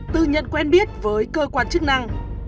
tự nhận quen biết với cơ quan chức năng